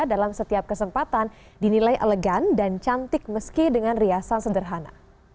dalam setiap kesempatan dinilai elegan dan cantik meski dengan riasan sederhana